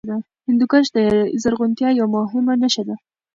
هندوکش د زرغونتیا یوه مهمه نښه ده.